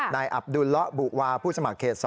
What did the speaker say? นายอับดุลละบุวาผู้สมัครเขต๒